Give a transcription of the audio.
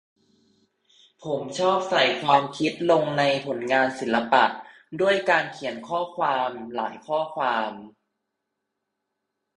ผมชอบใส่ความคิดลงในผลงานศิลปะ ด้วยการเขียนข้อความหลายข้อความ